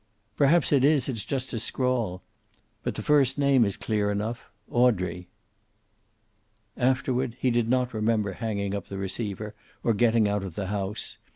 "Perhaps it is. It's just a scrawl. But the first name is clear enough Audrey." Afterward he did not remember hanging up the receiver, or getting out of the house.